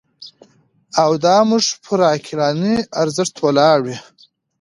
او دا موږ پر عقلاني ارزښتونو ولاړ وي.